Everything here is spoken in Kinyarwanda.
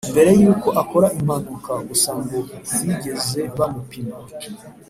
mbere y’uko akora impanuka gusa ngo ntibigeze bamupima